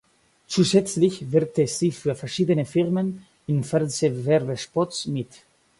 Zusätzlich wirkte sie für verschiedene Firmen in Fernsehwerbespots mit.